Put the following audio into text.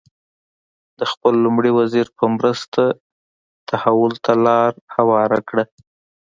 د خپل لومړي وزیر په مرسته تحول ته لار هواره کړه.